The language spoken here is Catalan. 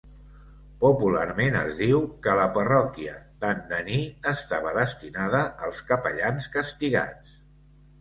Popularment es diu que la parròquia d'Andaní estava destinada als capellans castigats.